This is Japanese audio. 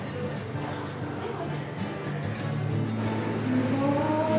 すごい。